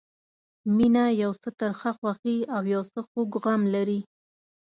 مینه یو څه ترخه خوښي او یو څه خوږ غم لري.